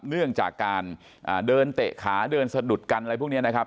เนื่องจากการเดินเตะขาเดินสะดุดกันอะไรพวกนี้นะครับ